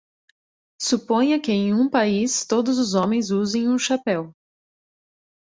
Suponha que em um país todos os homens usem um chapéu.